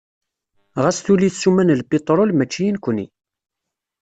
Ɣas tuli ssuma n lpitrul, mačči i nekni.